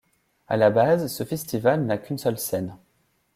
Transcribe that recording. À la base, ce festival n'a qu'une seule scène.